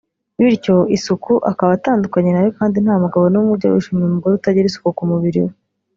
bityo isuku akaba atandukanye nayo kandi nta mugabo n’umwe ujya wishimira umugore utagira isuku ku mubiri we